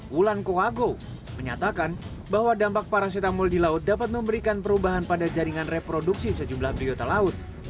wulan kohago menyatakan bahwa dampak parasetamol di laut dapat memberikan perubahan pada jaringan reproduksi sejumlah biota laut